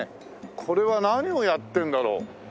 これは何をやってるんだろう？